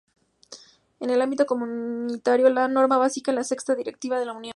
En el ámbito comunitario la norma básica es la Sexta directiva de la Unión.